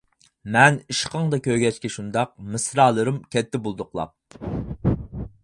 مەن ئىشقىڭدا كۆيگەچكە شۇنداق، مىسرالىرىم كەتتى بۇلدۇقلاپ.